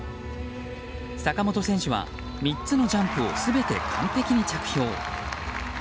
坂本選手は３つのジャンプを全て完璧に着氷。